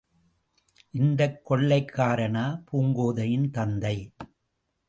இந்தக் கொள்ளைக்காரனா பூங்கோதையின் தந்தை...?